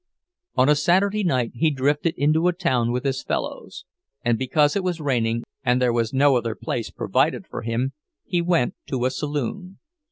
On a Saturday night he drifted into a town with his fellows; and because it was raining, and there was no other place provided for him, he went to a saloon.